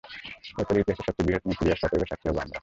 এরপরই ইতিহাসে সবচেয়ে বৃহৎ নিউক্লিয়ার শকওয়েভের স্বাক্ষী হবো আমরা!